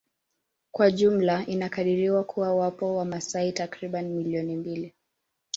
Kwa jumla inakadiriwa kuwa wapo wamasai takribani milioni mbili